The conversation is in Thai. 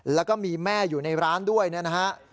แล้วก็มีแม่อยู่ในร้านด้วยเนี่ยนะฮะ